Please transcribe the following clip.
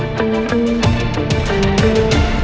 sadar masih ifah omong omong